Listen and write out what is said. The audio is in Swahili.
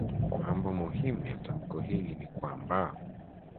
Mambo muhimu ya tamko hili ni kwamba